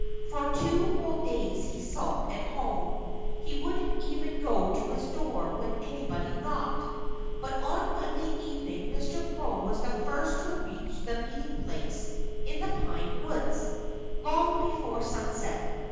For two whole days he sulked at home. He wouldn't even go to his door when anybody knocked. But on Monday evening Mr. Crow was the first to reach the meeting place in the pine woods, long before sunset.